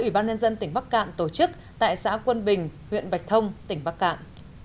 ủy ban nhân dân tỉnh bắc cạn tổ chức tại xã quân bình huyện bạch thông tỉnh bắc cạn